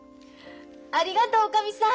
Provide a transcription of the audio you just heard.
ありがとうおかみさん！